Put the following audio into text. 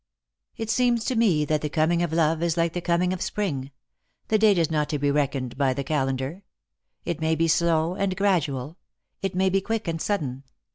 It seems to me that the coming of love is like the coming of spring— the date is not to be reckoned by the calendar. It may be slow and gradual ; it may '/e quick and sudden.